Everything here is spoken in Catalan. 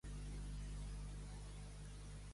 Oir de confessió.